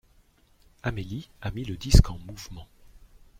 Amélie a mis le disque en mouvement.